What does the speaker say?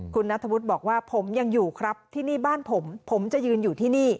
คุณนัทธวุฒิบอกว่าผมยังอยู่ครับที่นี่บ้านผมผมจะยืนอยู่ที่นี่